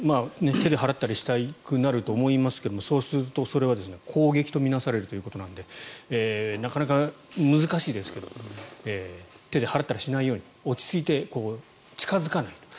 手で払ったりしたくなると思いますけどそれは攻撃と見なされるということなのでなかなか難しいですけど手で払ったりしないように落ち着いて、近付かない。